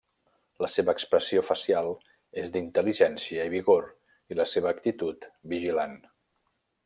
La seva expressió facial és d'intel·ligència i vigor i la seva actitud vigilant.